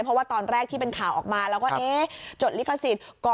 เพราะว่าตอนแรกที่เป็นข่าวออกมาแล้วก็จดลิขสิทธิ์